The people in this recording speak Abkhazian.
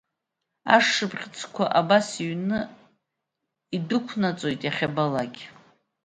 Ашшыԥхьыӡқәа абас иҩны, идәықәнаҵоит иахьабалак.